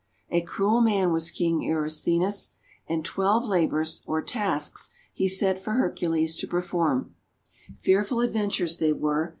A cruel man was King Eurystheus, and twelve labours or tasks he set for Hercules to perform. Fearful adventures they were.